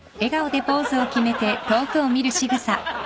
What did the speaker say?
ハハハ！